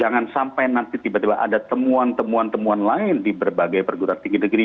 jangan sampai nanti tiba tiba ada temuan temuan temuan lain di berbagai perguruan tinggi negeri